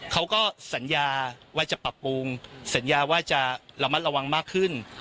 เขาก็สัญญาว่าจะปรับปรุงสัญญาว่าจะระมัดระวังมากขึ้น